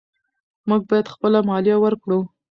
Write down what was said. موږ باید خپله مالیه ورکړو.